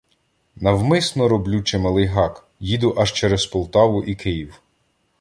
Навмисно роблю чималий гак — їду аж через Полтаву і Київ.